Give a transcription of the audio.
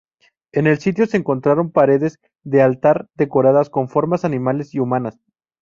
En el sitio, se encontraron paredes del altar decoradas con formas animales y humanas.